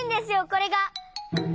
これが。